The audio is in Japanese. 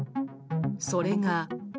それが。